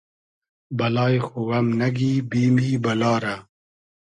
بئلای خو ام نئگی بیمی بئلا رۂ